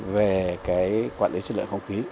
về quản lý chất lượng không khí